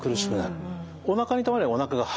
おなかにたまればおなかが張るし。